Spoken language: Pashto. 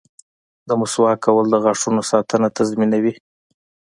• د مسواک کول د غاښونو ساتنه تضمینوي.